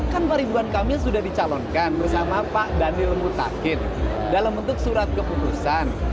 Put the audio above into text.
kan ridwan kami sudah dicalonkan bersama pak daniel mutakit dalam bentuk surat keputusan